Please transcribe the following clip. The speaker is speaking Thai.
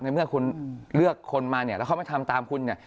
เมื่อคุณเลือกคนมาเนี่ยแล้วเขามาทำตามคุณเนี่ย